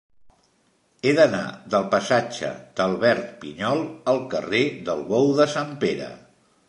He d'anar del passatge d'Albert Pinyol al carrer del Bou de Sant Pere.